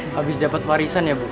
habis dapat warisan ya bu